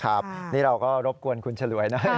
ครับนี่เราก็รบกวนคุณฉลวยนะ